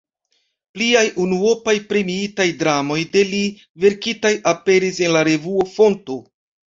Pliaj unuopaj premiitaj dramoj de li verkitaj aperis en la revuo "Fonto".